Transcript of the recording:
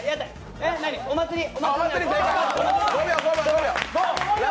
お祭り！